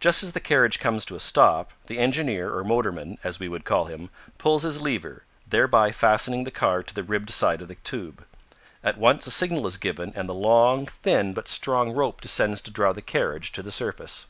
Just as the carriage comes to a stop, the engineer or motorman, as we would call him, pulls his lever, thereby fastening the car to the ribbed side of the tube. At once a signal is given and the long, thin but strong rope descends to draw the carriage to the surface.